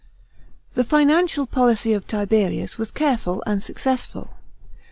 § 5. The financial policy of Tiberius was careful and successful.